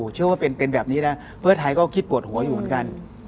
เชื่อว่าเป็นแบบนี้นะเพื่อไทยก็คิดปวดหัวอยู่เหมือนกัน